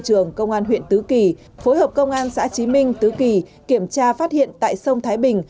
trường công an huyện tứ kỳ phối hợp công an xã trí minh tứ kỳ kiểm tra phát hiện tại sông thái bình